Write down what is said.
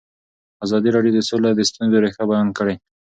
ازادي راډیو د سوله د ستونزو رېښه بیان کړې.